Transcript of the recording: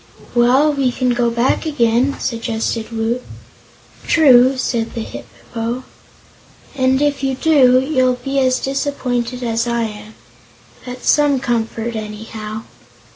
"Well, we can go back again," suggested Woot. "True," said the Hip po; "and if you do, you'll be as disappointed as I am. That's some comfort, anyhow."